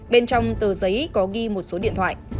bên trong tờ giấy có ghi một số điện thoại